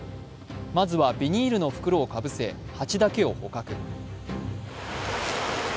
まずはビニールの袋をかぶせ蜂だけを捕獲。